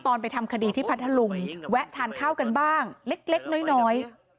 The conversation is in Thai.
ไปทำคดีที่พัทธลุงแวะทานข้าวกันบ้างเล็กน้อย